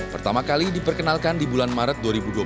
pertama kali diperkenalkan di bulan maret dua ribu dua puluh